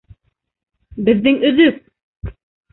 «Беҙҙең өҙөк»!..